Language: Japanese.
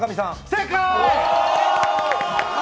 正解！